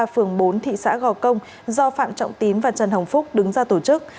phường bốn thị xã gò công do phạm trọng tín và trần hồng phúc đứng ra tổ chức